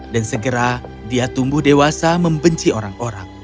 dan segera dia tumbuh dewasa membenci orang orang